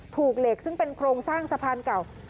ถูกเหล็กซึ่งเป็นโครงสร้างสะพานเก่า